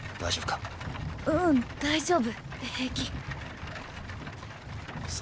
大丈夫か？